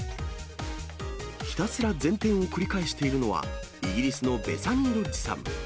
ひたすら前転を繰り返しているのは、イギリスのベサニー・ロッジさん。